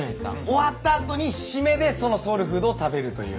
終わった後に締めでそのソウルフードを食べるという。